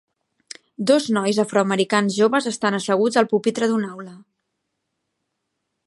Dos nois afroamericans joves estan asseguts al pupitre d'una aula.